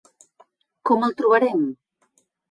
Com el trobarem?